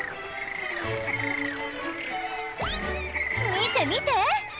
見て見て！